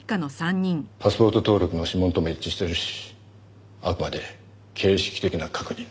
パスポート登録の指紋とも一致してるしあくまで形式的な確認だ。